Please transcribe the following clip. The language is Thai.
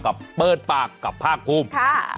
กับเปิดปากกับภาคภูมิ